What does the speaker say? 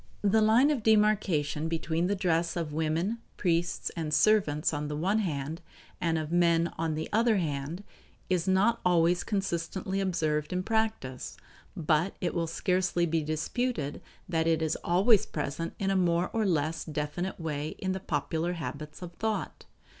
The line of demarcation between the dress of women, priests, and servants, on the one hand, and of men, on the other hand, is not always consistently observed in practice, but it will scarcely be disputed that it is always present in a more or less definite way in the popular habits of thought.